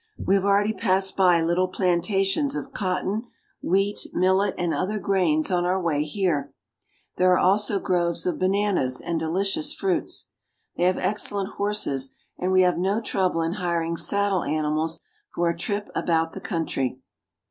We have already passed by little plantations of cotton, wheat, millet, and other grains on our way here ; there are also groves of bananas and delicious fruits. They have excellent horses, and we have no trouble in hiring saddle animals for a trip about the country.